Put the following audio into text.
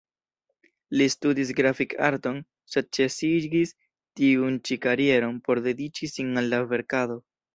Li studis grafik-arton, sed ĉesigis tiun ĉi karieron, por dediĉi sin al la verkado.